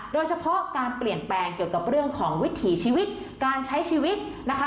โดยเฉพาะการเปลี่ยนแปลงเกี่ยวกับเรื่องของวิถีชีวิตการใช้ชีวิตนะคะ